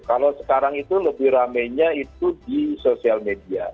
kalau sekarang itu lebih ramenya itu di sosial media